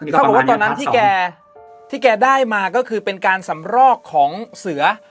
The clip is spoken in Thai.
เขาบอกว่าตอนนั้นที่แกที่แกได้มาก็คือเป็นการสำรอกของเสือ